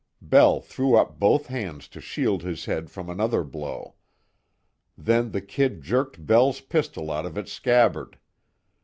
Bell threw up both hands to shield his head from another blow. Then the "Kid" jerked Bell's pistol out of its scabbard.